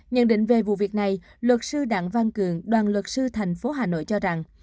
nhận định về vụ việc này luật sư đặng văn cường đoàn luật sư thành phố hà nội cho rằng